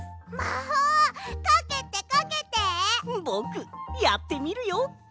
ぼくやってみるよ！